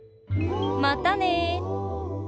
またね！